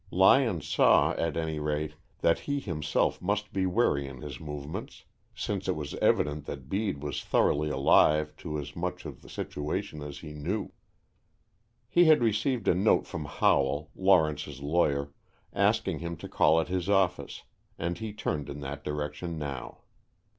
Lyon saw, at any rate, that he himself must be wary in his movements, since it was evident that Bede was thoroughly alive to as much of the situation as he knew. He had received a note from Howell, Lawrence's lawyer, asking him to call at his office, and he turned in that direction now.